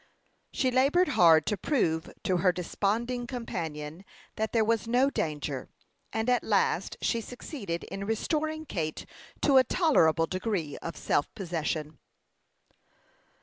She labored hard to prove to her desponding companion that there was no danger, and at last she succeeded in restoring Kate to a tolerable degree of self possession.